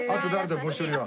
もう一人は。